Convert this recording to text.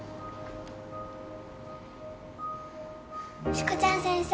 ・しこちゃん先生。